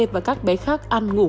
và các bé khác